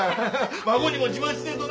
孫にも自慢しねえとな。